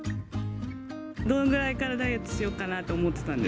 どのぐらいからダイエットしようかなと思ってたんですか。